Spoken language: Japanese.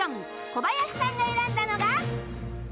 小林さんが選んだのが。